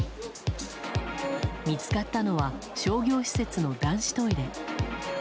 見つかったのは商業施設の男子トイレ。